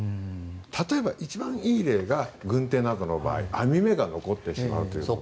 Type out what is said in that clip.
例えば、一番いい例が軍手などの場合網目が残ってしまうという。